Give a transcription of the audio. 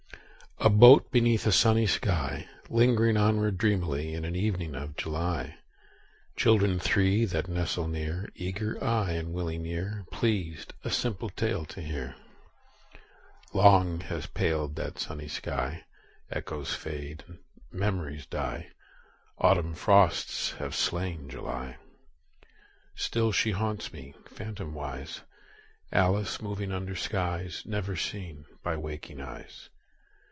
A boat beneath a sunny sky, Lingering onward dreamily In an evening of July— Children three that nestle near, Eager eye and willing ear, Pleased a simple tale to hear— Long has paled that sunny sky: Echoes fade and memories die. Autumn frosts have slain July. Still she haunts me, phantomwise, Alice moving under skies Never seen by waking eyes.